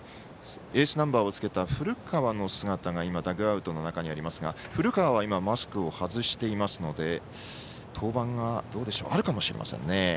エースナンバーをつけた古川の姿がダグアウトの中にありますが古川はマスクを外しているので登板があるかもしれないですね。